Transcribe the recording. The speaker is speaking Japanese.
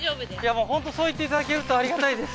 もう本当そう言っていただけるとありがたいです